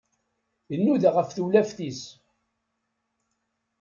Inuda ɣef tsewlaft-is.